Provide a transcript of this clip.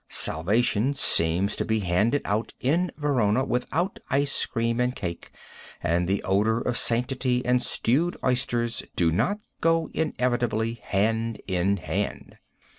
Salvation seems to be handed out in Verona without ice cream and cake, and the odor of sancity and stewed oysters do not go inevitably hand in hand.